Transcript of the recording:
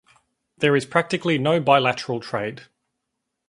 There is practically no bilateral trade.